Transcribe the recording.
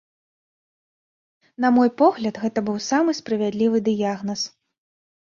На мой погляд, гэта быў самы справядлівы дыягназ.